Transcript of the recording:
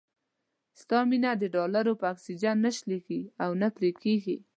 ستا مينه د ډالرو په اکسيجن نه شلېږي او نه پرې کېږي.